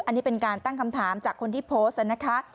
อันนี้เป็นการตั้งคำถามจากคนที่โพสต์นะคะ